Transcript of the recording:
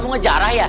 mau ngejarah ya